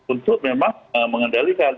untuk memang mengendalikan